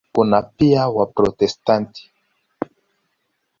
Kuna pia Waprotestanti.